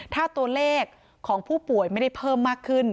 ถ้าตัวเลขของผู้ป่วยไม่ได้เพิ่มมากขึ้น